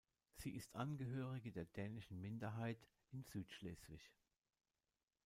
Sie ist Angehörige der dänischen Minderheit in Südschleswig.